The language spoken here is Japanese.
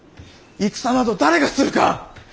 戦など誰がするか！